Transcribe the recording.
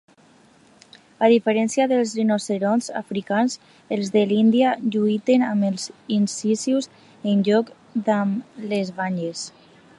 A diferència dels rinoceronts africans, els de l'Índia lluiten amb els incisius en lloc d'amb les banyes.